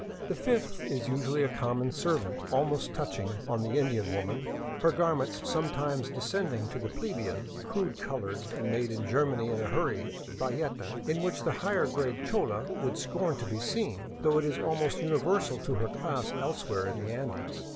The fifth is usually a com mon servant, almost touching on the Indian woman, her garments sometimes descending to the plebeian, crude colored, made in Ger many and in a hurry bayeta in which the higher grade chola would scorn to be seen, though it is almost universal to her class elsewhere in the Andes.